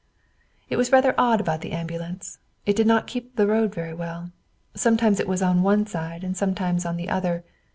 It was rather odd about the ambulance. It did not keep the road very well. Sometimes it was on one side and sometimes on the other.